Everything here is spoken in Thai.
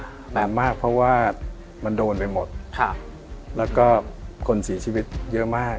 อาจจะแย่มากเพราะว่ามันโดนไปหมดแล้วก็คนสีชีวิตเยอะมาก